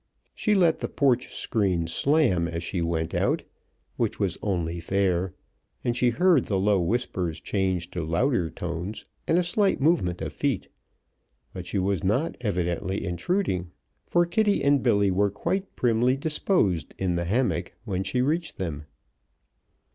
She let the porch screen slam as she went out which was only fair and she heard the low whispers change to louder tones, and a slight movement of feet; but she was not, evidently, intruding, for Kitty and Billy were quite primly disposed in the hammock when she reached them.